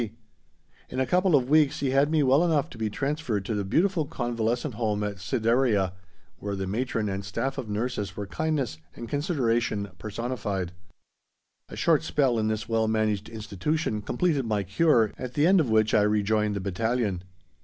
C. In a couple of weeks he had me well enough to be transferred to the beautiful Convalescent Home at Sirdariah, where the matron and staff of nurses were kindness and consideration personified; a short spell in this well managed institution completed my cure, at the end of which I rejoined the battalion.